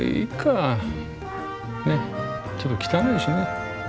ねっちょっと汚いしね。